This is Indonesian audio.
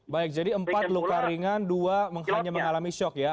baik jadi empat luka ringan dua hanya mengalami shock ya